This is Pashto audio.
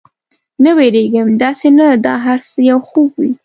نه، وېرېږم، داسې نه دا هر څه یو خوب وي.